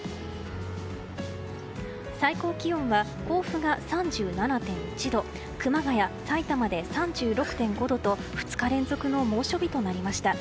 最高気温は甲府が３７．１度熊谷、さいたまで３６．５度と２日連続の猛暑日となりました。